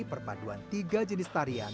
perpaduan tiga jenis tarian